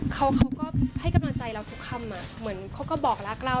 เขาก็ให้กำลังใจเราทุกคำเหมือนเขาก็บอกรักเรา